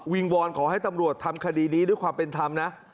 วิงวอนขอทำข้ดีด้วยความเป็นธรรมนะ